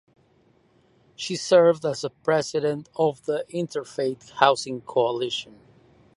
She served as president of the Interfaith Housing Coalition.